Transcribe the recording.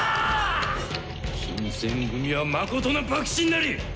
新選組は誠の幕臣なり！